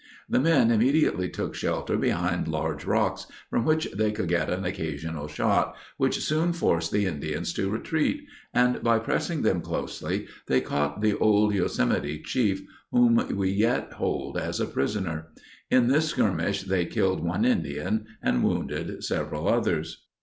The men immediately took shelter behind large rocks, from which they could get an occasional shot, which soon forced the Indians to retreat, and by pressing them close they caught the old Yo semity chief, whom we yet hold as a prisoner. In this skirmish they killed one Indian and wounded several others.